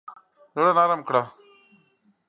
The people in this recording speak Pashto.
زړه نرم کړه.